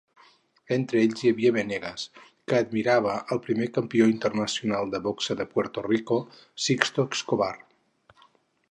Entre ells hi havia Venegas, que admirava el primer campió internacional de boxa de Puerto Rico, Sixto Escobar.